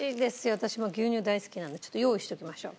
私も牛乳大好きなんでちょっと用意しときましょう。